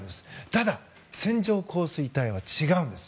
ただ、線状降水帯は違うんです。